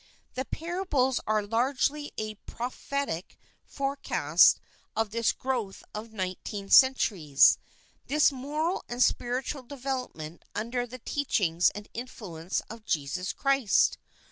The parables are largely a pro phetic forecast of this growth of nineteen cen turies, this moral and spiritual development under the teachings and influence of Jesus Christ.